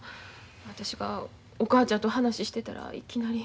私がお母ちゃんと話してたらいきなり。